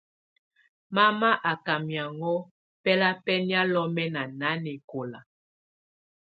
Mama à ká miaŋgɔ̀a bɛlabɔnɛ̀á lɔmɛna nanǝkɔla.